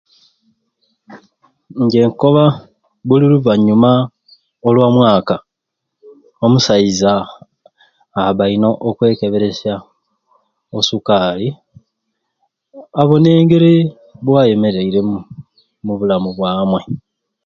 Nje nkoba buli luvanyuma olwa mwaka omusaiza abba alina okwekeberesya o sukaali abone engeri bwayenereiremu mu bulamu bwamwe.